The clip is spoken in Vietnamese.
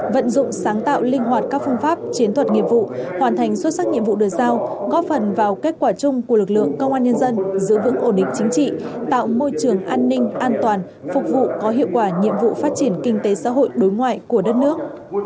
vận dụng sáng tạo linh hoạt các phương pháp chiến thuật nghiệp vụ hoàn thành xuất sắc nhiệm vụ được giao góp phần vào kết quả chung của lực lượng công an nhân dân giữ vững ổn định chính trị tạo môi trường an ninh an toàn phục vụ có hiệu quả nhiệm vụ phát triển kinh tế xã hội đối ngoại của đất nước